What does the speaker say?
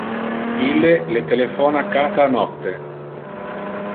Ille le telephona cata nocte.